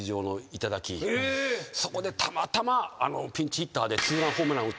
そこでたまたまピンチヒッターで。